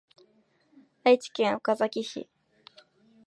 愛知県岡崎市